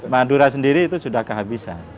madura sendiri itu sudah kehabisan